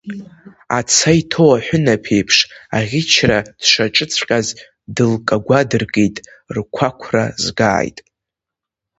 Аца иҭоу аҳәынаԥ еиԥш аӷьычра дшаҿыҵәҟьаз дылкагәа дыркит, рқәақәра згааит!